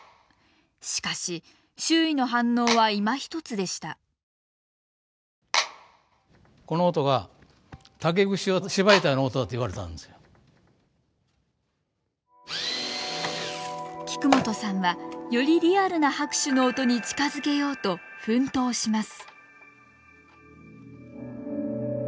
しかし周囲の反応はいまひとつでした菊本さんはよりリアルな拍手の音に近づけようと奮闘します